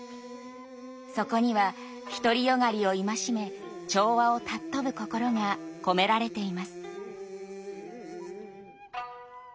そこには独り善がりを戒め調和を尊ぶ心が込められています。